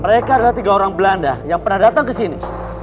mereka adalah tiga orang belanda yang pernah datang kesini